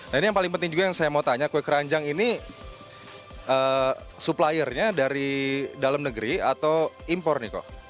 nah ini yang paling penting juga yang saya mau tanya kue keranjang ini suppliernya dari dalam negeri atau impor nih kok